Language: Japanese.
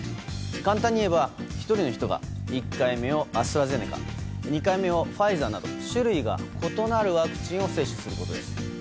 簡単に言えば１人の人が１回目をアストラゼネカ２回目をファイザーなど種類が異なるワクチンを接種することです。